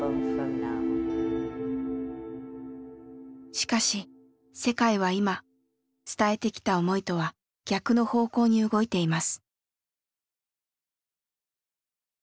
しかし世界は今伝えてきた思いとは逆の方向に動いています。